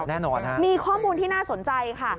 แน่นอนฮะมีข้อมูลที่น่าสนใจค่ะ